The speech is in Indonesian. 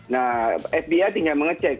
nah fbi tinggal mengecek